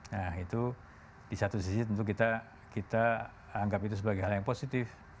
nah itu di satu sisi tentu kita anggap itu sebagai hal yang positif